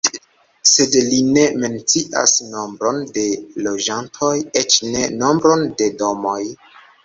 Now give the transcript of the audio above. Sed li ne mencias nombron de loĝantoj, eĉ ne nombron de domoj.